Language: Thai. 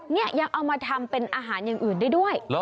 นี่ยังเอามาทำเป็นอาหารอย่างอื่นได้ด้วย